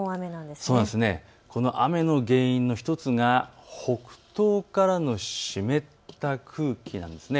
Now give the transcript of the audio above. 雨の原因の１つが北東からの湿った空気なんです。